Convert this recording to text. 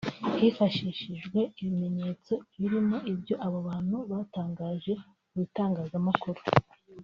Hifashishijwe ibimenyetso birimo ibyo abo bantu batangaje mu bintangazamakuru